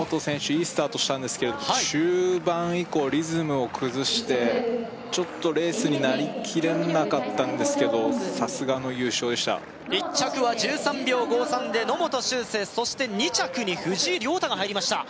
いいスタートしたんですけど中盤以降リズムを崩してちょっとレースになりきれなかったんですけどさすがの優勝でした１着は１３秒５３で野本周成そして２着に藤井亮汰が入りました